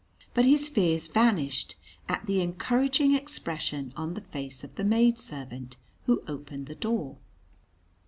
But his fears vanished at the encouraging expression on the face of the maid servant who opened the door.